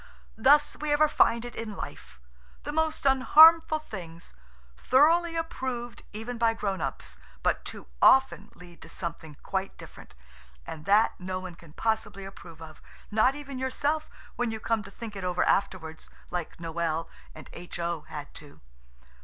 Thus we ever find it in life–the most unharmful things, thoroughly approved even by grow ups, but too often lead to something quite different, and that no one can possibly approve of, not even yourself when you come to think it over afterwards, like Noël and H.O. had to.